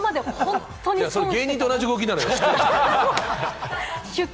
それ、芸人と同じ動きなのよ。